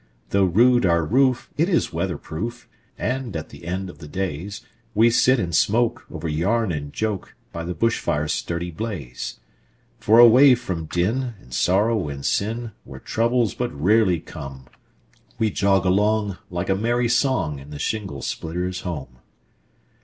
Though rude our roof, it is weather proof, And at the end of the daysWe sit and smoke over yarn and joke, By the bush fire's sturdy blaze. For away from din, and sorrow and sin, Where troubles but rarely come, We jog along, like a merry song, In the shingle splitter's home.